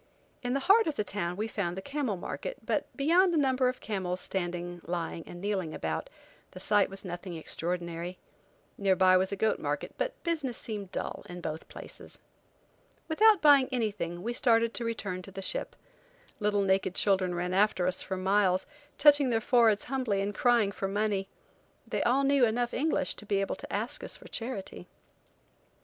In the heart of the town we found the camel market, but beyond a number of camels standing, lying, and kneeling about, the sight was nothing extraordinary. Near by was a goat market, but business seemed dull in both places. Without buying anything we started to return to the ship. Little naked children ran after us for miles, touching their foreheads humbly and crying for money. They all knew enough English to be able to ask us for charity.